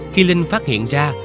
khi linh phát hiện ra